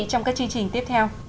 trong các chương trình tiếp theo